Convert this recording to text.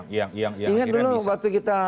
ingat dulu waktu kita